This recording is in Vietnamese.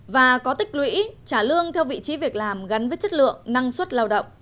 và có tích lũy trả lương theo vị trí việc làm gắn với chất lượng năng suất lao động